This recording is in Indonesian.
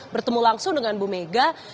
bertemu langsung dengan bu mega